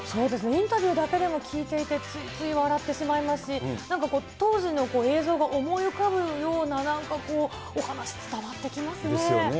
インタビューだけでも、聞いていてついつい笑ってしまいますし、なんか当時の映像が思い浮かぶようななんかこう、お話、伝わってですよね。